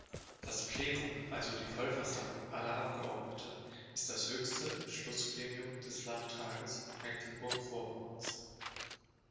Das Plenum, also die Vollversammlung aller Abgeordneten, ist das höchste Beschlussgremium des Landtages Mecklenburg-Vorpommerns.